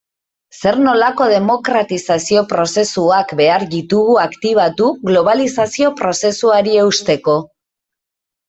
Zer nolako demokratizazio prozesuak behar ditugu aktibatu globalizazio prozesuari eusteko?